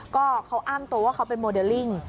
ก็เขาอ้างตัวว่าเขาเป็นโมเดลลิ่ง